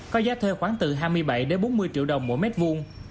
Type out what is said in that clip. có giá thuê khoảng từ hai mươi bảy đến bốn mươi triệu đồng mỗi mét vuông